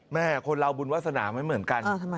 แม่คนเราบุญวาสนาไม่เหมือนกัน